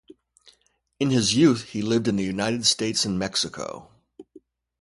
In his youth he lived in the United States and Mexico.